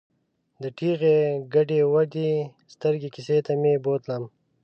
د ټېغې ګډې ودې سترګې کیسې ته مې بوتلم.